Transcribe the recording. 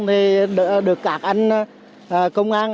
thì được các anh công an